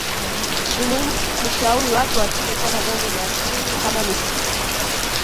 Nimuhimu kushauri watu watunze sana vyanzo vya asili kama misitu